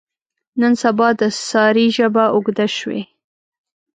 نن سبا د سارې ژبه اوږده شوې.